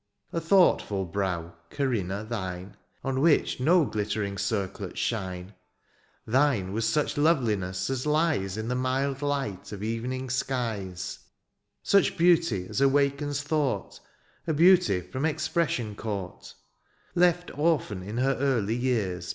A thoughtful brow, Corinna, thine. On which no glittering circlets shine. Thine was such loveliness as lies In the mild light of evening skies ; Such beauty as awakens thought, A beauty from expression caught. Left orphan in her early years.